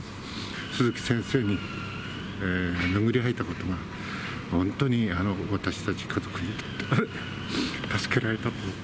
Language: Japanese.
鈴木先生に巡り合えたことが、本当に、私たち家族にとっては助けられたと。